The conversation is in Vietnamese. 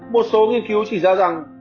một số nghiên cứu chỉ ra rằng